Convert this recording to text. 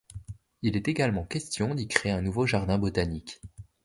Il est également question d'y créer un nouveau jardin botanique.